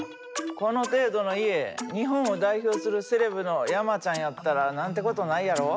この程度の家日本を代表するセレブの山ちゃんやったらなんてことないやろ？